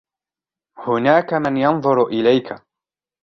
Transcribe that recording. هناك من ينظر إليك.